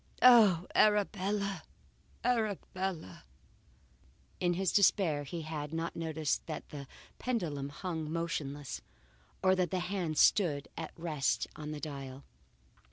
Oh! Arabella, Arabella!" In his despair he had not noticed that the pendulum hung motionless, or that the hands stood at rest on the dial.